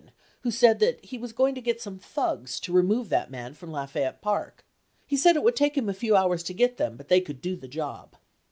1191 into Mr. Dwight Chapin who said that he was going to get some 'thugs' to remove that man from Lafayette Park. He said it would take him a few hours to get them, but they could do the job."